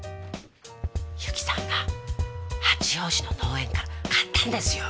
友紀さんが八王子の農園から買ったんですよ